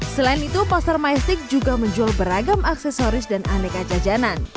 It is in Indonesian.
selain itu pasar majestic juga menjual beragam aksesoris dan aneka jajanan